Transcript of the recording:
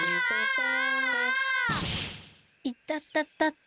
いたたたた。